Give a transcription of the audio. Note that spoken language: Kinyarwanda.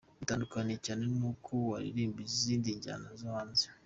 Bitandukanye cyane n’uko waririmba izindi njyana zo hanze.